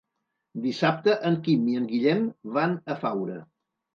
Dissabte en Quim i en Guillem van a Faura.